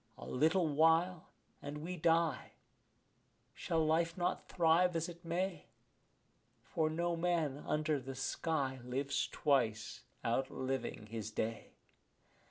A little while and we die; shall life not thrive as it may? For no man under the sky lives twice, outliving his day.